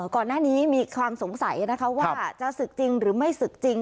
ก่อนหน้านี้มีความสงสัยนะคะว่าจะศึกจริงหรือไม่ศึกจริง